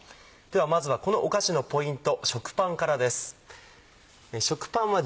まずはこのお菓子のポイント食パンからです。